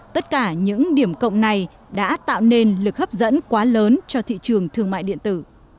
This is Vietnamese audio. tất cả những điểm cộng này đã tạo nên lực hấp dẫn quá lớn cho thị trường thương mại điện tử